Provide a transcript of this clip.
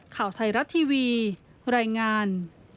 ข่าวไทยรัฐทีวีรายงาน